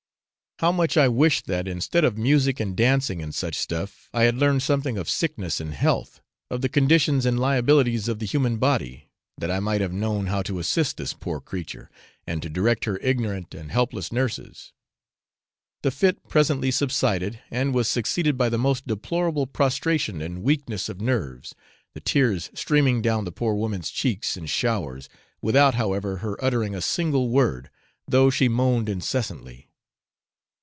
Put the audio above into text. How much I wished that, instead of music and dancing and such stuff, I had learned something of sickness and health, of the conditions and liabilities of the human body, that I might have known how to assist this poor creature, and to direct her ignorant and helpless nurses! The fit presently subsided, and was succeeded by the most deplorable prostration and weakness of nerves, the tears streaming down the poor woman's cheeks in showers, without, however, her uttering a single word, though she moaned incessantly.